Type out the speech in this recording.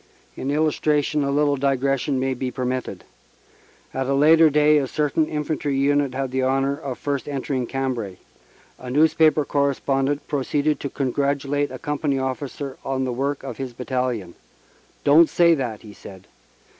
In illustration a little digression may be permitted. At a later day a certain infantry unit had the honor of first entering Cambrai. A newspaper correspondent proceeded to congratulate a com pany officer on the work of his battalion. "Don t say that," he said.